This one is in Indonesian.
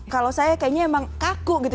kalau saya kayaknya emang kaku gitu